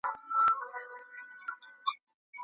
د سولي راوستل د ټولو هیوادونو په ګټه دي.